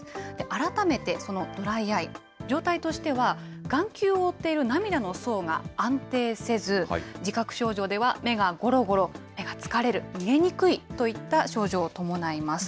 改めてそのドライアイ、状態としては眼球を覆っている涙の層が安定せず、自覚症状では、目がごろごろ、目が疲れる、見えにくいといった症状を伴います。